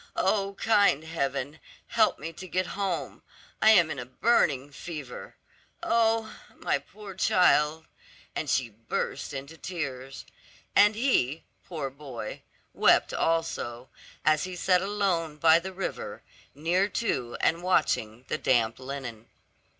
O kind Heaven, help me to get home; I am in a burning fever. Oh, my poor child," and she burst into tears. And he, poor boy, wept also, as he sat alone by the river, near to and watching the damp linen.